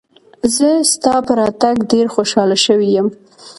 زه ستا په راتګ ډېر خوشاله شوی یم.